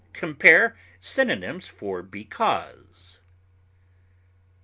Compare synonyms for BECAUSE.